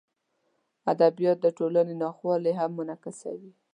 ادبیات د ټولنې ناخوالې هم منعکسوي.